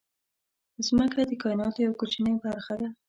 مځکه د کایناتو یوه کوچنۍ برخه ده.